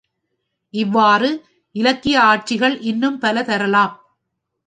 இவ்வாறு இலக்கிய ஆட்சிகள் இன்னும் பல தரலாம்.